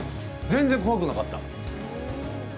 全然、怖くなかった。